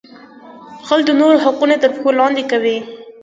غل د نورو حقونه تر پښو لاندې کوي